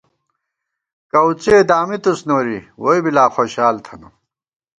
کؤڅُوئے دامِتُوس نوری، ووئی بی لا خوشال تھنہ